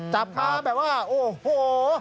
จับขาแบบว่าโอ้โห